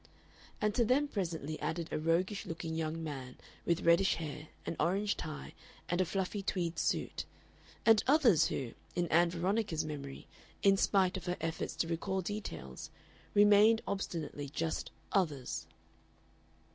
And to them were presently added a roguish looking young man, with reddish hair, an orange tie, and a fluffy tweed suit, and others who, in Ann Veronica's memory, in spite of her efforts to recall details, remained obstinately just "others."